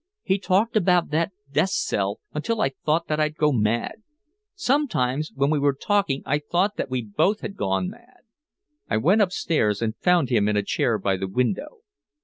He talked about that death cell until I thought that I'd go mad. Sometimes when we were talking I thought that we had both gone mad." I went upstairs and found him in a chair by the window.